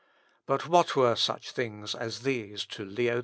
But what were such things as these to Leo X?